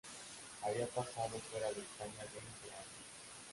Había pasado fuera de España veinte años.